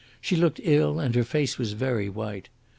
She looked ill, and her face was very white.